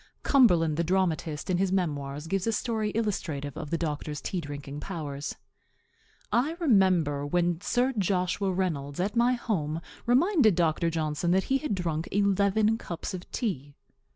Cumberland, the dramatist, in his memoirs gives a story illustrative of the doctor's tea drinking powers: "I remember when Sir Joshua Reynolds, at my home, reminded Dr. Johnson that he had drunk eleven cups of tea.